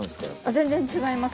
全然違います。